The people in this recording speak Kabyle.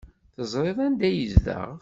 Teẓriḍ anda ay yezdeɣ?